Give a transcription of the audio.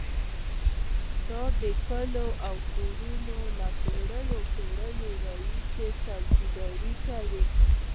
دا کلي او کورونه له پېړیو پېړیو راهیسې څوکیداري کوي.